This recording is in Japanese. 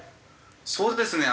そうですね